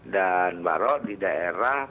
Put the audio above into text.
dan barok di daerah